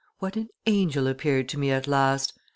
What an angel appeared to me at last!